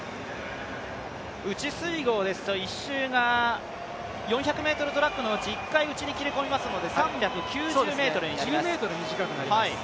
内水濠ですと、１周が４００ｍトラックのうち、１回、内に切れ込みますので３９０ｍになります。